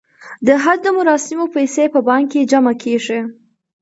د حج د مراسمو پیسې په بانک کې جمع کیږي.